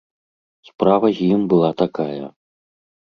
Справа з ім была такая.